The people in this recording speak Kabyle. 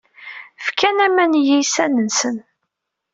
Fkan aman i yiysan-nsen.